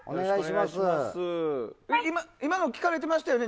今の聞かれていましたよね